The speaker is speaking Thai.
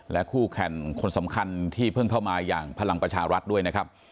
คู่แข่งคนสำคัญที่เพิ่งเข้ามาอย่างพลังประชารัฐด้วยนะครับ